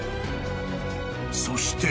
［そして］